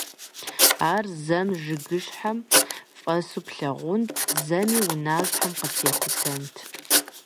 Ар зэм жыгыщхьэм фӀэсу плъагъунт, зэми унащхьэм къытехутэнт.